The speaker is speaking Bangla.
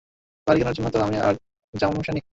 বাড়ি কিনার জন্য তো আর জমাসনি।